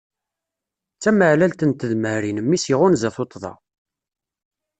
D tameɛlalt n tedmarin mmi-s iɣunza tuṭṭḍa.